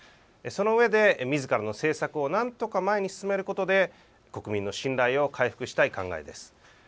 そのうえで、みずからの政策をなんとか前に進めることで国民の信頼を回復したい考えです。